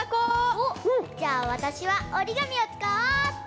おっじゃあわたしはおりがみをつかおうっと！